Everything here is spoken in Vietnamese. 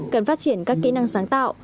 cần phát triển các kỹ năng sáng tạo